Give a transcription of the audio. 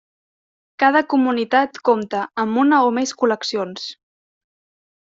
Cada comunitat compta amb una o més col·leccions.